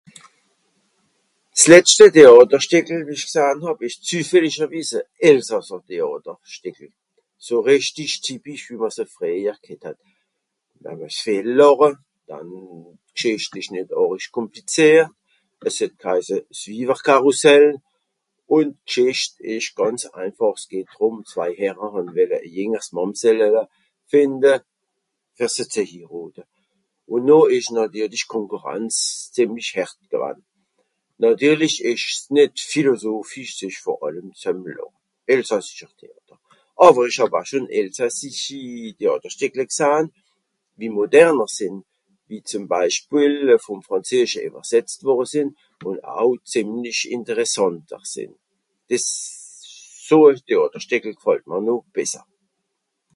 S'letschte Téàterstìckel wie ìch gsahn hàb ìsch züfällisch e elsasser Téàterstìckel, so rìchtisch Typisch wie mr se frìehjer ghet het. (...) viel làche, dann d'Gschìcht ìsch nìt àrisch kùmplizìert. Es het gheise s'Wiwerkarroussel ùn d'Gschìcht ìsch gànz einfàch, s'geht ùm zwei Herrer ùn wìlle e jìngers Màmsell fìnde fer sie ze hirote. Ùn noh ìsch natirlisch d'Konkürenz zìemlich härt gewann. Natirlisch ìsch's nìt Philisophisch s'ìsch vor àllem zem làche. Elsassischer Téàter. Àwer ìch hàb au schon elsassischi Téàterstìckle gsahn, wie moderner sìnn. Wie zùm Beispiel vùm Frànzesche ìwesetzt wùrre sìnn ùn au zìemlich interressànter sìnn. Dìs... so e Téàterstìckel gfallt mr noch besser.